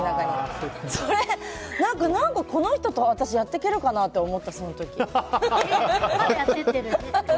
何か、この人と私やっていけるかなってその時思った。